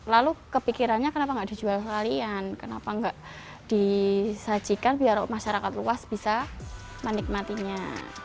lalu kepikirannya kenapa nggak dijual sekalian kenapa nggak disajikan biar masyarakat luas bisa menikmatinya